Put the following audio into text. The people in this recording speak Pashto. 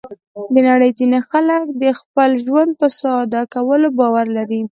د نړۍ ځینې خلک د خپل ژوند په ساده کولو باور لري.